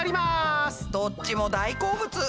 どっちも大好物！